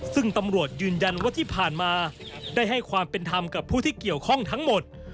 ซึ่งตำรวจยืนยันว่าที่ผ่านมาได้ให้ความเป็นธรรมกับผู้ที่เกี่ยวข้องทั้งหมด